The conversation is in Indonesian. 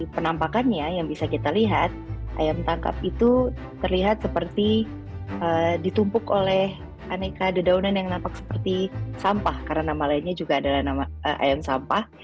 penampakannya yang bisa kita lihat ayam tangkap itu terlihat seperti ditumpuk oleh aneka dedaunan yang nampak seperti sampah karena nama lainnya juga adalah nama ayam sampah